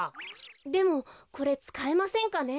でもこれつかえませんかね。